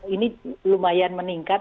ini lumayan meningkat